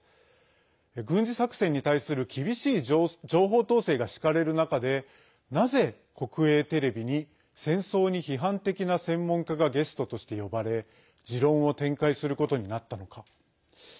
軍事作戦に対する厳しい情報統制が敷かれる中でなぜ、国営テレビに戦争に批判的な専門家がゲストとして呼ばれ持論を展開することになったのか。